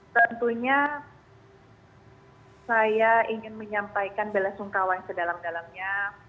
tentunya saya ingin menyampaikan bela sungkawai sedalam dalamnya